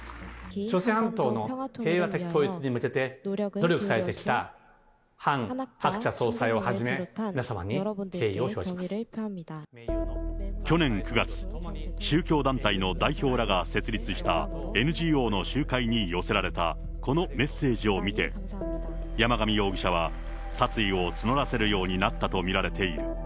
朝鮮半島の平和的統一に向けて、努力されてきたハン・ハクチャ総裁をはじめ、去年９月、宗教団体の代表らが設立したＮＧＯの集会に寄せられたこのメッセージを見て、山上容疑者は殺意を募らせるようになったと見られている。